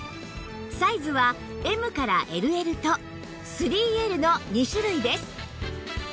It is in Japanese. サイズは Ｍ から ＬＬ と ３Ｌ の２種類です